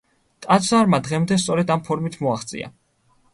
ტაძარმა დღემდე სწორედ ამ ფორმით მოაღწია.